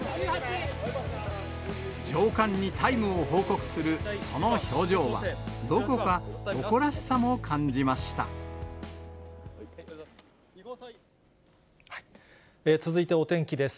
上官にタイムを報告する、その表情は、続いてお天気です。